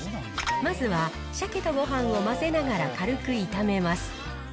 まずはシャケとごはんを混ぜながら軽く炒めます。